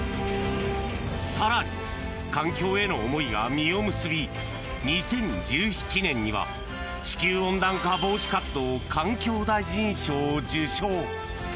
更に、環境への思いが実を結び２０１７年には地球温暖化防止活動環境大臣賞を受賞。